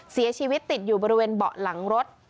เสียชีวิตติดอยู่บริเวณเบาะหลังรถ